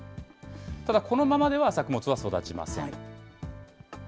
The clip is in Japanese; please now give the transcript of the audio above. ただ、このままでは作物は育ちません。